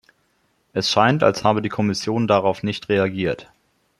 Es scheint, als habe die Kommission darauf nicht reagiert.